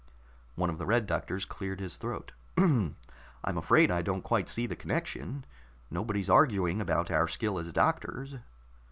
One of the Red Doctors cleared his throat. "I'm afraid I don't quite see the connection. Nobody is arguing about our skill as doctors."